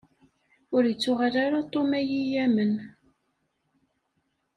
Ur ittuɣal ara Tom ad yi-yamen.